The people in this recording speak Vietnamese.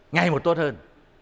ngày một tốt hơn